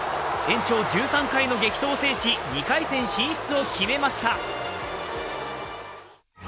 延長１３回の激闘を制し２回戦進出を決めました。